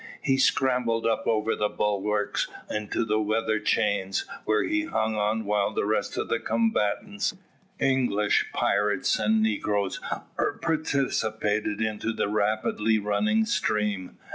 He scrambled up over the bulwarks into the weather chains, where he hung on while the rest of the combatants, English, pirates and negroes, were precipitated into the rapidly running stream.